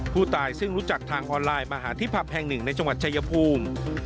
ผู้ตายซึ่งรู้จักทางออนไลน์มาหาที่ผับแห่งหนึ่งในจังหวัดชายภูมิ